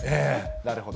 なるほど。